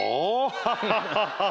ハハハハハ！